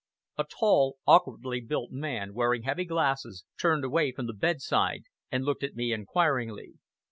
A tall, awkwardly built man, wearing heavy glasses, turned away from the bedside, and looked at me inquiringly.